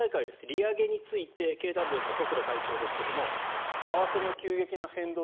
利上げについて経団連の十倉会長ですが為替の急激な変動